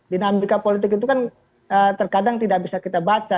dinamika politik itu kan terkadang tidak bisa kita baca